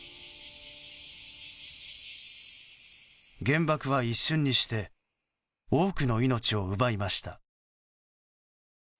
原爆は一瞬にして多くの命を奪いました。